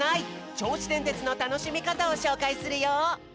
ちょうしでんてつのたのしみかたをしょうかいするよ。